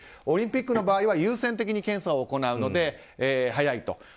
オリンピックの場合は優先的に検査を行うので早いと。